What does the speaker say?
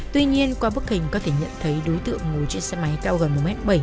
tuy nhiên qua bức hình có thể nhận thấy đối tượng ngồi trên xe máy cao gần một m bảy